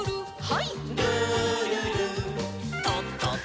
はい。